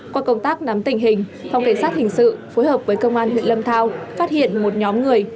qua công tác nắm tình hình phòng cảnh sát hình sự phối hợp với công an huyện lâm thao phát hiện một nhóm người